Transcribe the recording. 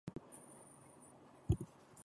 D'on no volia que fossin?